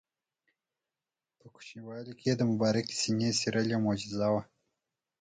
په کوچنیوالي کې یې د مبارکې سینې څیرل یوه معجزه وه.